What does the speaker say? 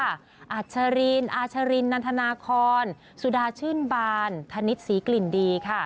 อาชรินอาชรินนันทนาคอนสุดาชื่นบานธนิษฐศรีกลิ่นดีค่ะ